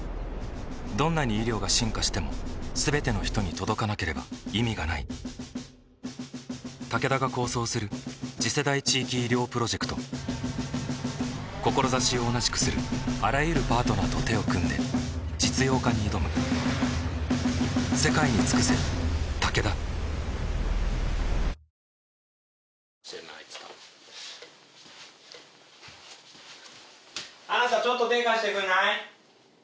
どんなに医療が進化しても全ての人に届かなければ意味がないタケダが構想する次世代地域医療プロジェクト志を同じくするあらゆるパートナーと手を組んで実用化に挑むちょっと手ぇ貸してくんない？